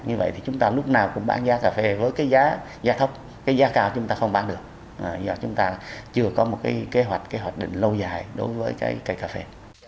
như vậy thì chúng ta lúc nào cũng bán giá cà phê với cái giá cao chúng ta không bán được do chúng ta chưa có một kế hoạch định lâu dài đối với cây cà phê